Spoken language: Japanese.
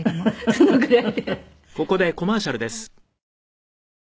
そのぐらい。